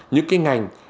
những cái ngành